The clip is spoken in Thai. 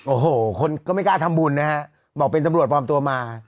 โอ้โหคนก็ไม่กล้าทำบุญนะฮะบอกเป็นตำรวจปลอมตัวมา